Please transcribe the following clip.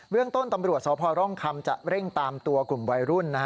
เรื่องต้นตำรวจสพร่องคำจะเร่งตามตัวกลุ่มวัยรุ่น